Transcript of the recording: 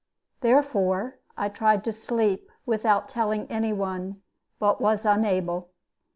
Therefore I tried to sleep without telling any one, but was unable.